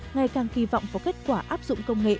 ngày càng kỳ vọng có kết quả áp dụng công nghệ